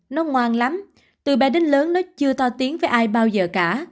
nó ngoan lắm từ bé đinh lớn nó chưa to tiếng với ai bao giờ cả